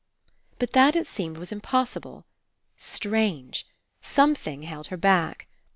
But that, it seemed, was impossible. Strange. Something held her back.